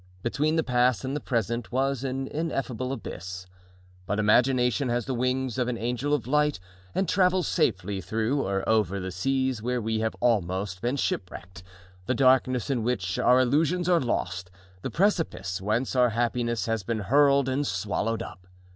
Between the past and the present was an ineffable abyss. But imagination has the wings of an angel of light and travels safely through or over the seas where we have been almost shipwrecked, the darkness in which our illusions are lost, the precipice whence our happiness has been hurled and swallowed up.